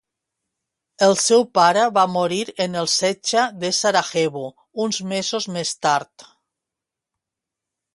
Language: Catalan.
El seu pare va morir en el setge de Sarajevo uns mesos més tard.